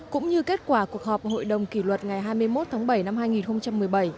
cũng như kết quả cuộc họp hội đồng kỷ luật ngày hai mươi một tháng bảy năm hai nghìn một mươi bảy